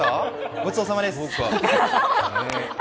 ごちそうさまです。